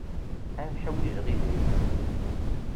Ad ḥwijeɣ idrimen.